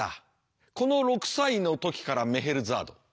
この６歳の時からメヘルザード